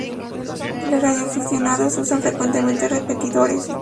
Los radioaficionados usan frecuentemente repetidores.